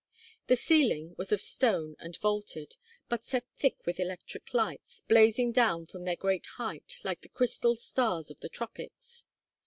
The ceiling was of stone and vaulted, but set thick with electric lights, blazing down from their great height like the crystal stars of the tropics.